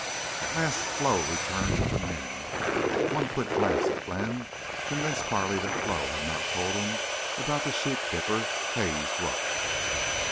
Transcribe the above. At last Flo returned with the men. One quick glance at Glenn convinced Carley that Flo had not yet told him about the sheep dipper, Haze Ruff.